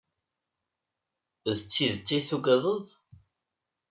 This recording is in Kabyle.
D tidet ay tuggaded?